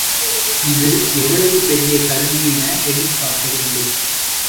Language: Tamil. இது எவ்வளவு பெரிய கருணை என எண்ணிப் பார்க்க வேண்டும்.